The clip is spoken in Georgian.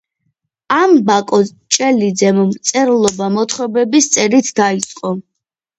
ამბაკო ჭელიძემ მწერლობა მოთხრობების წერით დაიწყო.